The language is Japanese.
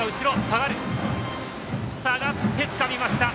下がって、つかみました。